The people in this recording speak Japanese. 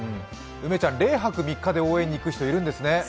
梅ちゃん、０泊３日で応援に行く人、いるんですね。